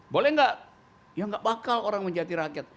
boleh gak ya gak bakal orang menjahati rakyat